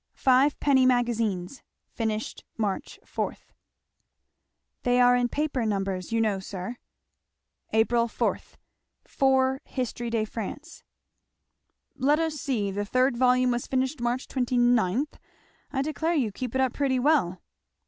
Five Penny Magazines, finished Mar. 4,' "They are in paper numbers, you know, sir." 'April 4. 4 Hist. de F.' "Let us see the third volume was finished March 29 I declare you keep it up pretty well."